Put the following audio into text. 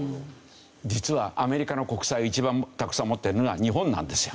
実はアメリカの国債を一番たくさん持ってるのが日本なんですよ。